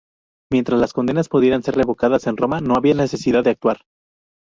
Mientras las condenas pudieran ser revocadas en Roma, no había necesidad de actuar.